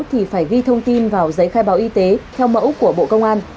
thì phải ghi thông tin vào giấy khai báo y tế theo mẫu của bộ công an